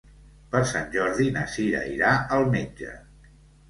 Per Sant Jordi na Cira irà al metge.